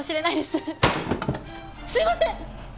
すいません！